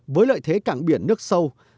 với lợi thế cảng biển nước sâu